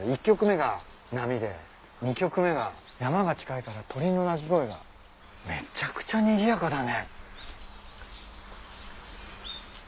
１曲目が波で２曲目が山が近いから鳥の鳴き声がめちゃくちゃにぎやかだね。